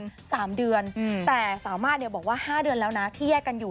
สามเดือนแต่สามารถเนี่ยบอกว่า๕เดือนแล้วนะที่แยกกันอยู่